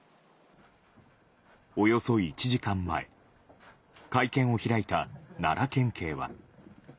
およそ１時間前、会見を開いた奈良県警は。